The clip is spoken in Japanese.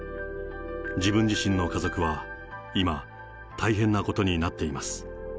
自分自身の家族は今、大変なことになっています。